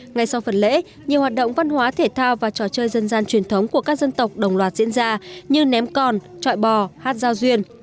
ngay sau phần lễ nhiều hoạt động văn hóa thể thao và trò chơi dân gian truyền thống của các dân tộc đồng loạt diễn ra như ném còn trọi bò hát giao duyên